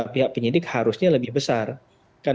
pihak penyidik harusnya lebih besar kan